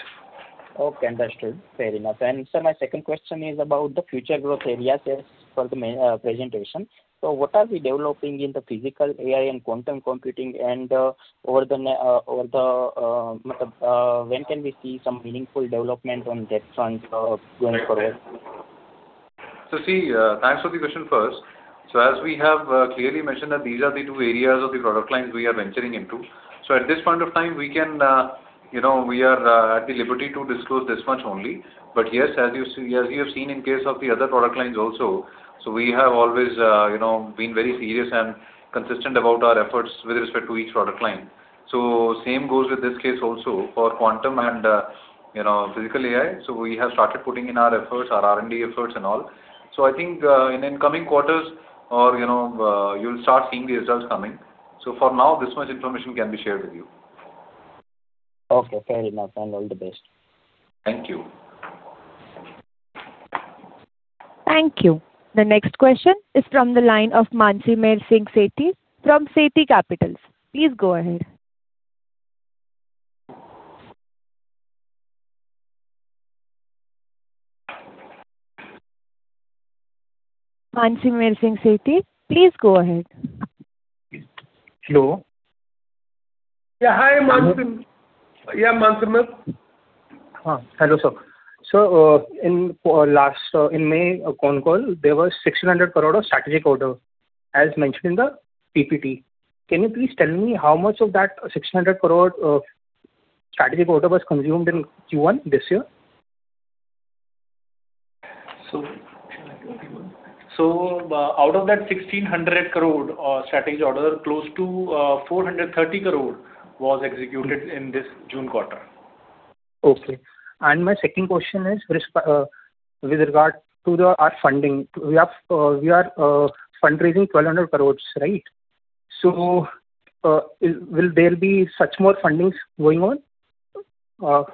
[SPEAKER 14] Okay, understood. Fair enough. Sir, my second question is about the future growth areas as per the presentation. What are we developing in the physical AI and quantum computing, and when can we see some meaningful development on that front going forward?
[SPEAKER 4] See, thanks for the question first. As we have clearly mentioned that these are the two areas of the product lines we are venturing into. At this point of time, we are at liberty to disclose this much only. Yes, as you have seen in the case of the other product lines also, we have always been very serious and consistent about our efforts with respect to each product line. Same goes with this case also for quantum and physical AI. We have started putting in our efforts, our R&D efforts and all. I think in incoming quarters, you'll start seeing the results coming. For now, this much information can be shared with you.
[SPEAKER 14] Okay, fair enough, and all the best.
[SPEAKER 4] Thank you.
[SPEAKER 1] Thank you. The next question is from the line of Mansimar Singh Sethi from Sethi Capital. Please go ahead. Mansimar Singh Sethi, please go ahead.
[SPEAKER 15] Hello.
[SPEAKER 4] Yeah. Hi, Mansimar. Yeah, Mansimar.
[SPEAKER 15] Hello, sir. Sir, in the May call there was 1,600 crore of strategic orders, as mentioned in the PPT. Can you please tell me how much of that 1,600 crore strategic order was consumed in Q1 this year?
[SPEAKER 4] Out of that 1,600 crore strategic order, close to 430 crore was executed in this June quarter.
[SPEAKER 15] Okay. My second question is with regard to our funding. We are fundraising 1,200 crore, right? Will there be more funding going on?
[SPEAKER 3] No.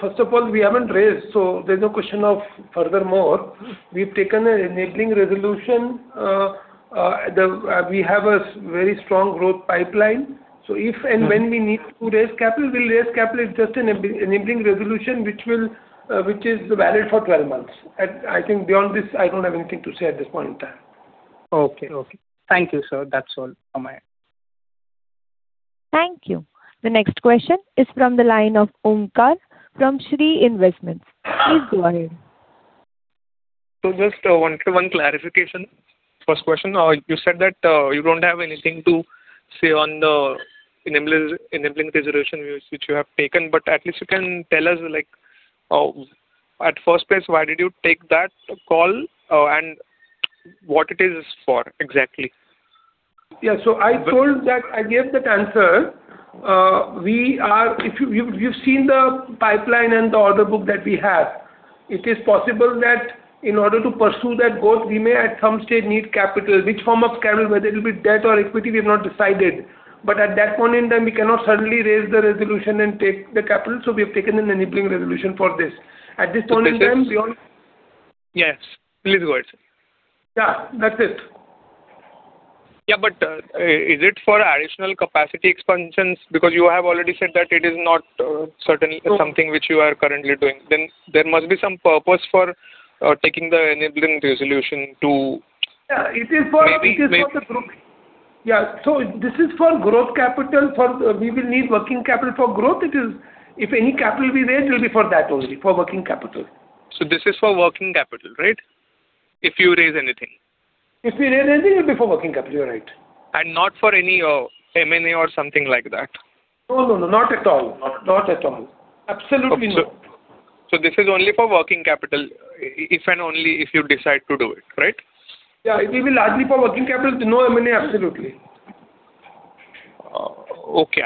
[SPEAKER 3] First of all, we haven't raised, so there's no question of furthermore. We've taken an enabling resolution. We have a very strong growth pipeline. If and when we need to raise capital, we'll raise capital. It's just an enabling resolution, which is valid for 12 months. I think beyond this, I don't have anything to say at this point in time.
[SPEAKER 15] Okay. Thank you, sir. That's all from my end.
[SPEAKER 1] Thank you. The next question is from the line of Omkar from Shree Investments. Please go ahead.
[SPEAKER 16] Just one clarification. First question: You said that you don't have anything to say on the enabling resolution which you have taken, but at least you can tell us, in the first place, why did you take that call and what is it for exactly?
[SPEAKER 3] Yeah. I gave that answer. You've seen the pipeline and the order book that we have. It is possible that in order to pursue that growth, we may at some stage need capital. Which form of capital, whether it'll be debt or equity, we've not decided. At that point in time, we cannot suddenly raise the resolution and take the capital. We have taken an enabling resolution for this—
[SPEAKER 16] Yes. Please go ahead, sir.
[SPEAKER 3] Yeah, that's it.
[SPEAKER 16] Yeah, is it for additional capacity expansions? Because you have already said that it is not certainly something which you are currently doing. There must be some purpose for taking the enabling resolution.
[SPEAKER 3] Yeah
[SPEAKER 16] Maybe—
[SPEAKER 3] It is for the growth. Yeah. This is for growth capital. We will need working capital for growth. If any capital we raise will be for that only, for working capital.
[SPEAKER 16] This is for working capital, right? If you raise anything.
[SPEAKER 3] If we raise anything, it'll be for working capital, you're right.
[SPEAKER 16] Not for any M&A or something like that.
[SPEAKER 3] No. Not at all. Absolutely not.
[SPEAKER 16] This is only for working capital if and only if you decide to do it, right?
[SPEAKER 3] Yeah. It will be largely for working capital. No M&A, absolutely.
[SPEAKER 16] Okay.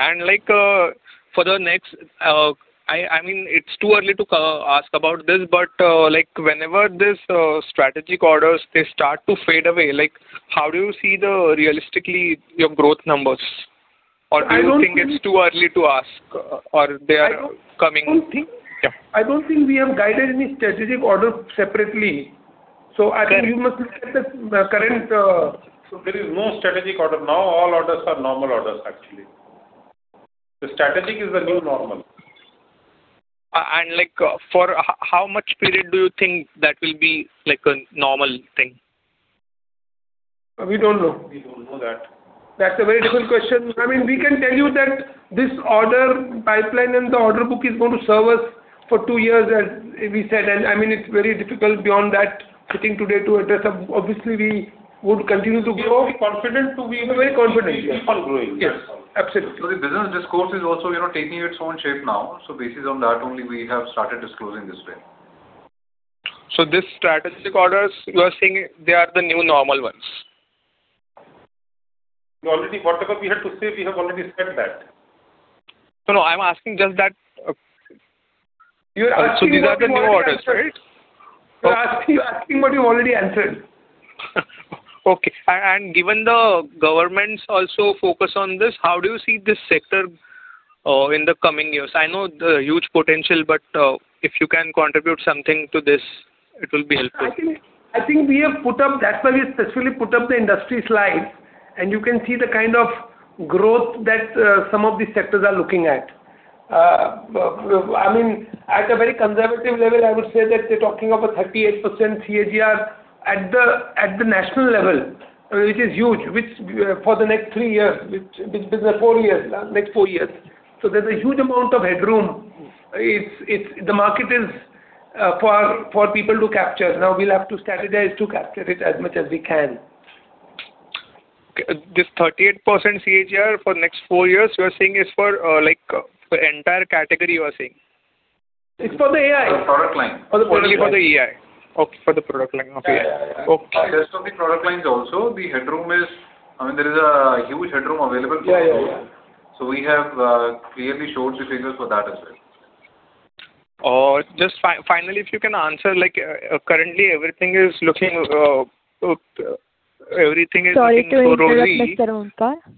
[SPEAKER 16] For the next, it's too early to ask about this, but whenever these strategic orders, they start to fade away, how do you see realistically your growth numbers? Do you think it's too early to ask or they are coming?
[SPEAKER 3] I don't think we have guided any strategic orders separately. I think you must look at the current.
[SPEAKER 4] There is no strategic order now. All orders are normal orders, actually. The strategic is the new normal.
[SPEAKER 16] For how much period do you think that will be a normal thing?
[SPEAKER 3] We don't know.
[SPEAKER 4] We don't know that.
[SPEAKER 3] That's a very difficult question. We can tell you that this order pipeline and the order book is going to serve us for two years, as we said. It's very difficult beyond that sitting today to address. Obviously, we would continue to grow.
[SPEAKER 4] We are very confident.
[SPEAKER 3] We're very confident—
[SPEAKER 4] Keep on growing.
[SPEAKER 3] Yes. Absolutely.
[SPEAKER 4] The business discourse is also taking its own shape now. Based on that only, we have started disclosing this way.
[SPEAKER 16] These strategic orders you are saying they are the new normal ones.
[SPEAKER 4] Whatever we had to say, we have already said that.
[SPEAKER 16] No. I'm asking just that.
[SPEAKER 3] You're asking what we already answered.
[SPEAKER 16] These are the new orders, right?
[SPEAKER 3] You're asking what we already answered.
[SPEAKER 16] Okay. Given the governments also focus on this, how do you see this sector in the coming years? I know the huge potential, but if you can contribute something to this, it will be helpful.
[SPEAKER 3] That's why we specifically put up the industry slide, and you can see the kind of growth that some of these sectors are looking at. At a very conservative level, I would say that they're talking of a 38% CAGR at the national level. Which is huge, which for the next three years, four years. There's a huge amount of headroom. The market is for people to capture. Now we'll have to strategize to capture it as much as we can.
[SPEAKER 16] This 38% CAGR for the next four years, you are saying, is for the entire category, you are saying?
[SPEAKER 3] It's for the AI.
[SPEAKER 4] For the product line.
[SPEAKER 3] For the product line.
[SPEAKER 16] Only for the AI. Okay. For the product line of AI.
[SPEAKER 4] Yeah.
[SPEAKER 16] Okay.
[SPEAKER 4] Just for the product lines, also, there is a huge headroom available for growth.
[SPEAKER 3] Yeah.
[SPEAKER 4] We have clearly showed the figures for that as well.
[SPEAKER 16] Just finally, if you can answer, currently everything is looking so rosy.
[SPEAKER 1] Sorry to interrupt, Mr. Omkar.
[SPEAKER 16] Just a small question.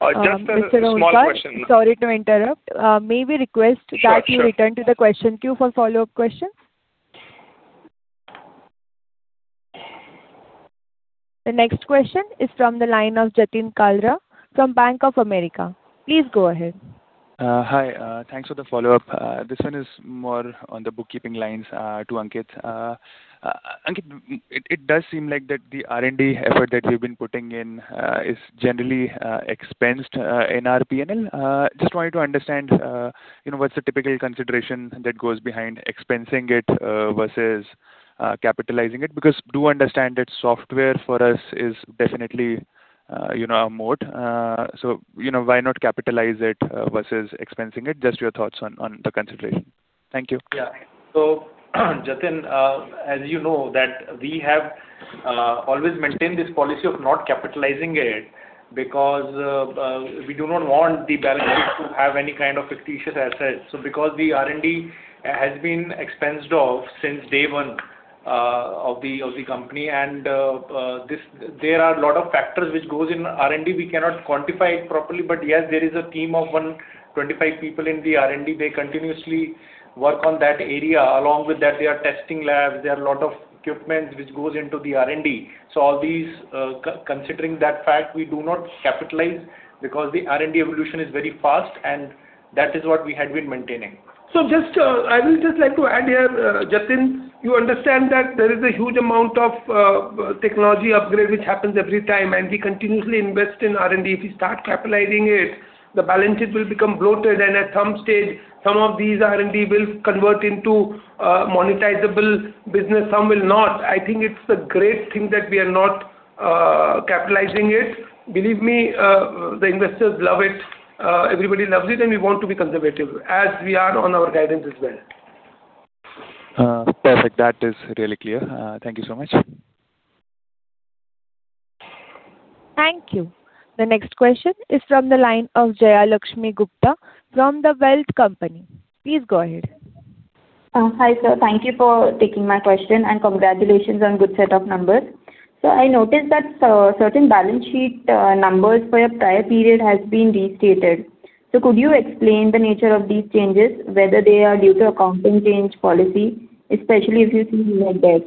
[SPEAKER 1] Mr. Omkar, sorry to interrupt. May we request that you return to the question queue for follow-up questions? The next question is from the line of Jatin Kalra from Bank of America. Please go ahead.
[SPEAKER 8] Hi. Thanks for the follow-up. This one is more on the bookkeeping lines for Ankit. Ankit, it does seem like the R&D effort that you've been putting in is generally expensed in our P&L. Just wanted to understand what's the typical consideration that goes behind expensing it versus capitalizing it. Do understand that software for us is definitely our moat. Why not capitalize it versus expensing it? Just your thoughts on the consideration. Thank you.
[SPEAKER 3] Yeah. Jatin, as you know, we have always maintained this policy of not capitalizing it because we do not want the balance sheet to have any kind of fictitious assets. Because the R&D has been expensed off since day one. Of the company. There are a lot of factors that go into R&D. We cannot quantify it properly. Yes, there is a team of 125 people in R&D. They continuously work on that area. Along with that, there are testing labs; there is a lot of equipment which goes into the R&D. All these, considering that fact, we do not capitalize because the R&D evolution is very fast, and that is what we have been maintaining.
[SPEAKER 4] I would just like to add here, Jatin, you understand that there is a huge amount of technology upgrade, which happens every time, and we continuously invest in R&D. If we start capitalizing it, the balance sheet will become bloated, and at some stage, some of these R&D will convert into monetizable business, some will not. I think it's a great thing that we are not capitalizing it. Believe me, the investors love it. Everybody loves it, and we want to be conservative, as we are on our guidance as well.
[SPEAKER 8] Perfect. That is really clear. Thank you so much.
[SPEAKER 1] Thank you. The next question is from the line of Jaya Lakshmi Gupta from The Wealth Company. Please go ahead.
[SPEAKER 17] Hi, sir. Thank you for taking my question, and congratulations on a good set of numbers. I noticed that certain balance sheet numbers for your prior period have been restated. Could you explain the nature of these changes, whether they are due to accounting change policy, especially if you see debt?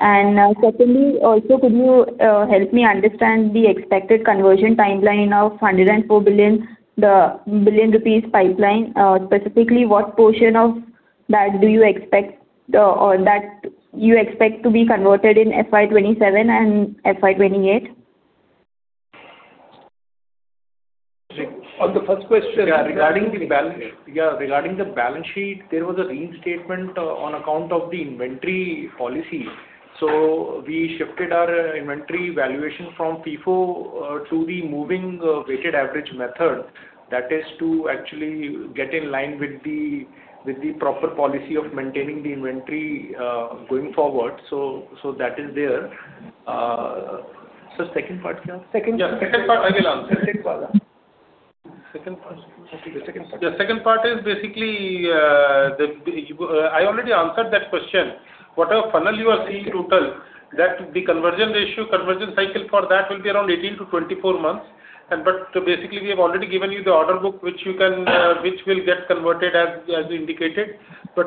[SPEAKER 17] Secondly, also, could you help me understand the expected conversion timeline of the 104 billion rupees pipeline? Specifically, what portion of that do you expect to be converted in FY 2027 and FY 2028?
[SPEAKER 5] On the first question—
[SPEAKER 4] Yeah. Regarding the balance sheet, there was a reinstatement on account of the inventory policy. We shifted our inventory valuation from FIFO to the moving weighted average method. That is to actually get in line with the proper policy of maintaining the inventory going forward. That is there. Sir, second part?
[SPEAKER 5] The second part, I will answer. The second part is basically, I already answered that question. Whatever funnel you are seeing total, that the conversion ratio, conversion cycle for that will be around 18 to 24 months. Basically, we have already given you the order book, which will get converted as indicated.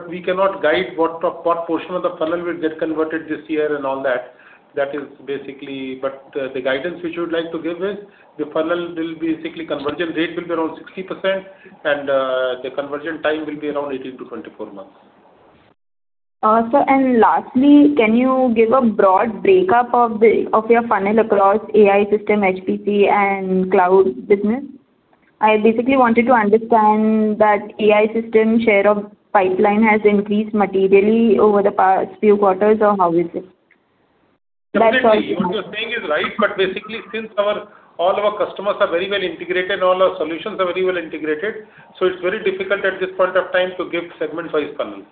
[SPEAKER 5] We cannot guide what portion of the funnel will get converted this year and all that. The guidance which we would like to give is the funnel will basically, conversion rate will be around 60%, and the conversion time will be around 18 to 24 months.
[SPEAKER 17] Sir, lastly, can you give a broad breakup of your funnel across AI system, HPC, and cloud business? I basically wanted to understand that AI system share of pipeline has increased materially over the past few quarters, or has it?
[SPEAKER 4] Definitely. What you're saying is right, basically, since all our customers are very well integrated, all our solutions are very well integrated, it's very difficult at this point of time to give a segment size funnel.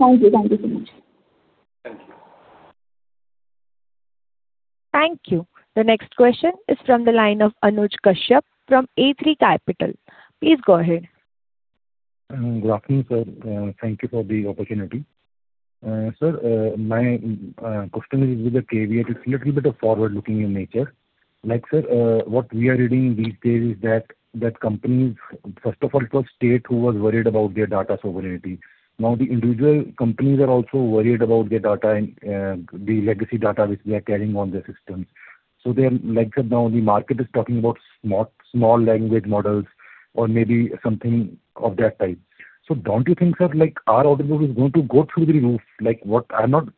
[SPEAKER 17] Thank you. Thank you so much.
[SPEAKER 4] Thank you.
[SPEAKER 1] Thank you. The next question is from the line of Anuj Kashyap from A3 Capital. Please go ahead.
[SPEAKER 18] Good afternoon, sir. Thank you for the opportunity. Sir, my question is with a caveat. It's little bit of forward-looking in nature. Sir, what we are reading these days is that companies, first of all, it was state who was worried about their data sovereignty. Now, the individual companies are also worried about their data and the legacy data which they are carrying on their systems. Like, sir, now the market is talking about small language models or maybe something of that type. Don't you think, sir, our order book is going to go through the roof? I'm not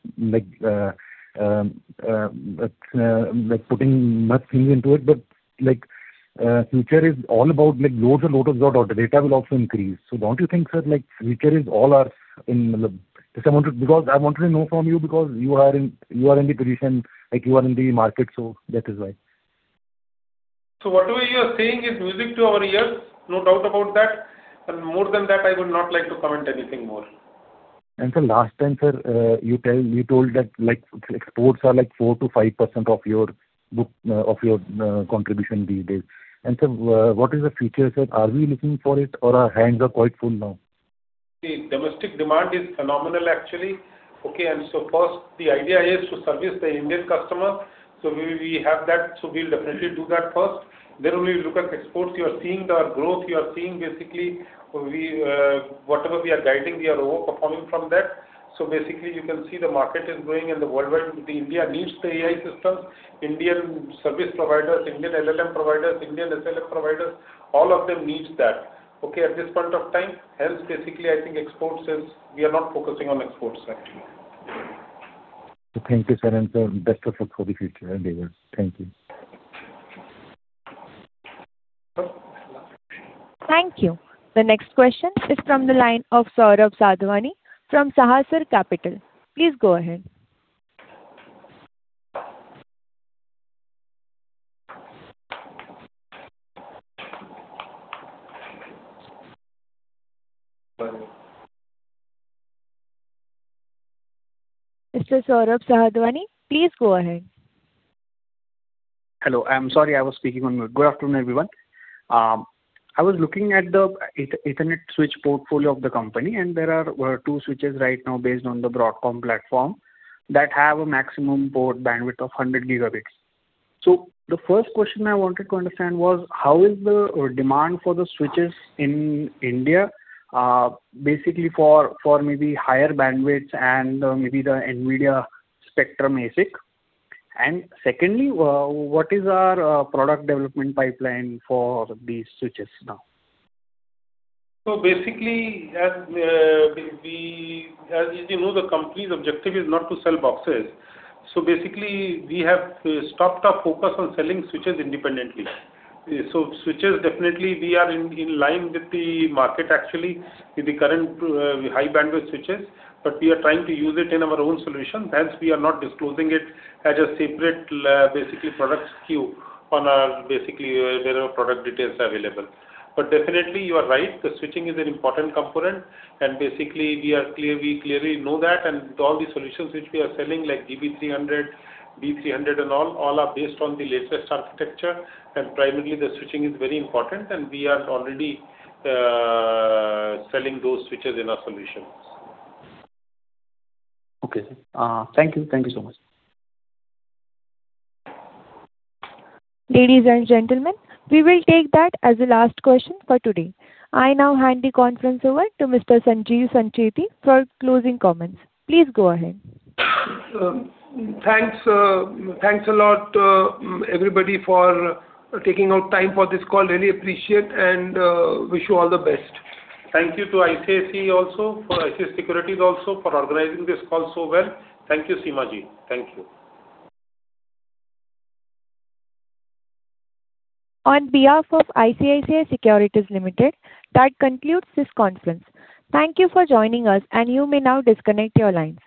[SPEAKER 18] putting much feeling into it, but the future is all about loads and loads of data. Data will also increase. Don't you think, sir? Because I wanted to know from you because you are in the position, you are in the market, so that is why.
[SPEAKER 4] What you are saying is music to our ears, no doubt about that. More than that, I would not like to comment anything more.
[SPEAKER 18] Sir, last time, sir, you told that exports are 4%-5% of your contribution these days. Sir, what is the future, sir? Are we looking for it or are our hands quite full now?
[SPEAKER 4] The domestic demand is phenomenal, actually. First, the idea is to service the Indian customer. We have that. We'll definitely do that first. We will look at exports. You are seeing our growth, you are seeing basically whatever we are guiding, we are over-performing from that. Basically, you can see the market is growing and the worldwide. India needs the AI systems. Indian service providers, Indian LLM providers, Indian SLM providers, all of them needs that at this point of time. I think exports are, we are not focusing on exports actually.
[SPEAKER 18] Thank you, sir. Sir, best of luck for future endeavors. Thank you.
[SPEAKER 1] Thank you. The next question is from the line of Saurabh Sadhwani from Sahasrar Capital. Please go ahead. Mr. Saurabh Sadhwani, please go ahead.
[SPEAKER 19] Hello. I'm sorry, I was speaking on mute. Good afternoon, everyone. I was looking at the Ethernet switch portfolio of the company, and there are two switches right now based on the Broadcom platform that have a maximum port bandwidth of 100 gigabits. The first question I wanted to understand was, how is the demand for the switches in India? Basically for maybe higher bandwidth and maybe the NVIDIA Spectrum ASIC. Secondly, what is our product development pipeline for these switches now?
[SPEAKER 4] Basically, as you know, the company's objective is not to sell boxes. Basically, we have stopped our focus on selling switches independently. Switches, definitely we are in line with the market actually, with the current high bandwidth switches, but we are trying to use it in our own solution. Hence, we are not disclosing it as a separate product SKU where our product details are available. Definitely, you are right, the switching is an important component and basically we clearly know that. All the solutions which we are selling, like DB 300, DB 300 and all are based on the latest architecture. Primarily the switching is very important, and we are already selling those switches in our solutions.
[SPEAKER 19] Okay, sir. Thank you so much.
[SPEAKER 1] Ladies and gentlemen, we will take that as the last question for today. I now hand the conference over to Mr. Sanjeev Sancheti for closing comments. Please go ahead.
[SPEAKER 3] Thanks a lot, everybody, for taking out time for this call. Really appreciate and wish you all the best.
[SPEAKER 4] Thank you to ICICI also, for ICICI Securities for organizing this call so well. Thank you, Seema. Thank you.
[SPEAKER 1] On behalf of ICICI Securities Limited, that concludes this conference. Thank you for joining us, and you may now disconnect your line.